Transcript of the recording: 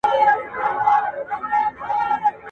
زه پرون مځکي ته ګورم وم،